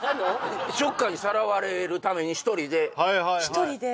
ショッカーにさらわれるために１人で１人で？